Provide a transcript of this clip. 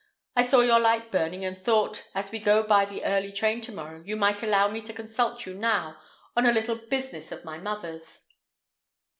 "I saw your light burning, and thought, as we go by the early train to morrow, you might allow me to consult you now on a little business of my mother's."